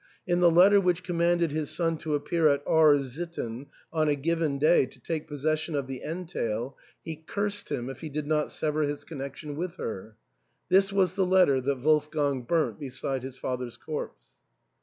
In the letter which commanded his son to appear at R — sitten on a given day to take possession of the entail, he cursed him if he did not sever his connection with her. This was the letter that Wolfgang burnt beside his father's corpse.